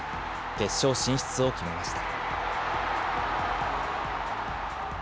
決勝進出を決めました。